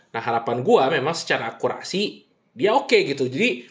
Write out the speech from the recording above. nah harapan gue memang secara akurasi dia oke gitu